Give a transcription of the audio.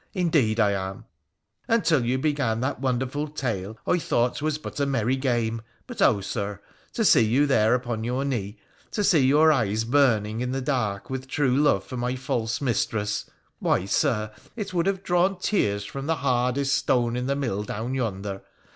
indeed I am ! Until you began that wonderful tale I thought 'twas but a merry game ; but, oh, Sir ! to see you there upon your knee, to see your eyes burning in the dark with true love for my false mistress— ^why, Sir, it would have drawn tears from the hardest stone in the mill down yonder.